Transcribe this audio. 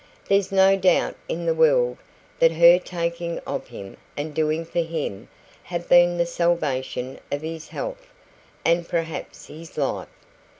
There's no doubt in the world that her taking of him and doing for him have been the salvation of his health, and perhaps his life.